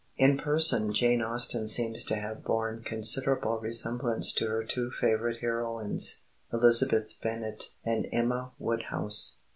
*] "In person Jane Austen seems to have borne considerable resemblance to her two favourite heroines, Elizabeth Bennet and Emma Woodhouse.